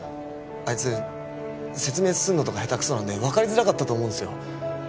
あいつ説明すんのとか下手くそなんで分かりづらかったと思うんすよ。